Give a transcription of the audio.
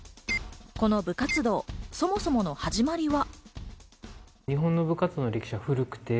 この部活動、そもそもの始まりは。